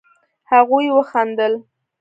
هغوئ وخندل.